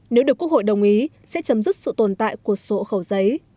nếu được quốc hội đồng ý sẽ chấm dứt sự tồn tại của sổ khẩu giấy